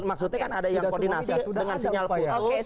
maksudnya kan ada yang koordinasi dengan sinyal putus